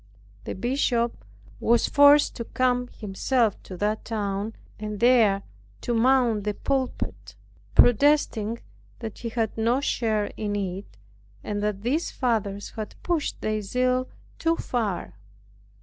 The bishop was forced to come himself to that town, and there to mount the pulpit, protesting that he had no share in it, and that these fathers had pushed their zeal too far.